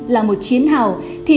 là một chiến hào thì